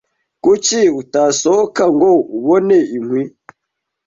Kuki utasohoka ngo ubone inkwi?